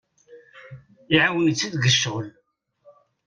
Iɛawen-itt-id deg ccɣel.